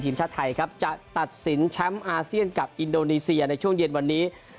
ทีมชาติไทยครับจะตัดสินแชมป์อาเซียนกับอินโดนีเซียในช่วงเย็นวันนี้